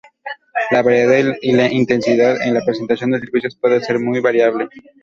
La variedad, y la intensidad en la prestación de servicios puede ser muy variable.